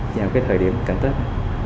vào cái thời điểm càng tết